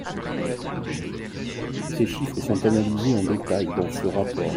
Ces chiffres sont analysés en détail dans ce rapport.